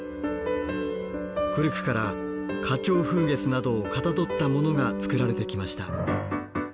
古くから花鳥風月などをかたどったものが作られてきました。